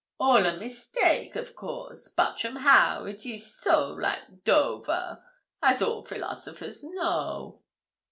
'All a mistake, of course. Bartram Haugh, it is so like Dover, as all philosophers know.'